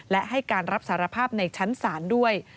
และให้การรับสารภาพในชั้นศาลด้วย